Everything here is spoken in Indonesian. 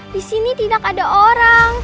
di sini tidak ada orang